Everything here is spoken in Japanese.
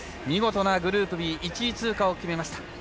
見事なグループＢ１位通過を決めました。